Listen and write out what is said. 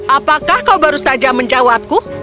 apakah kau baru saja menjawabku